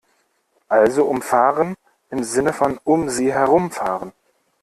Also umfahren im Sinne von "um sie herumfahren".